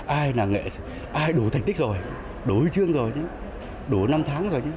ai là nghệ sĩ ai đủ thành tích rồi đủ hư chương rồi đủ năm tháng rồi